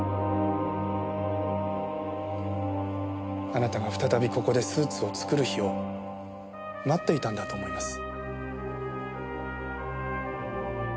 あなたが再びここでスーツを作る日を待っていたんだと思います。